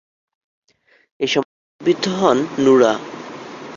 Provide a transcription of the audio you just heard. এ সময় গুলিবিদ্ধ হন নুরা।